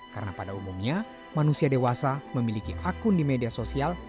karena pada umumnya manusia dewasa memiliki akun di media sosial